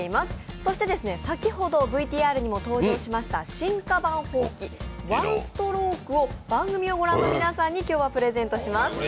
そして先ほどＶＴＲにも登場しました、進化版ほうき、ワンストロークを番組を御覧の皆さんに今日はプレゼントします。